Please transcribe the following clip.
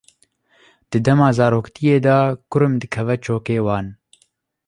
Di dema zaroktiyê de kurm dikeve çokê wan.